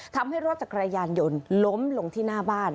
ทำให้รถจักรยานยนต์ล้มลงที่หน้าบ้าน